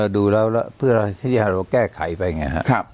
ดูแล้วแล้วก็แก้ไขไปเนี่ยครับ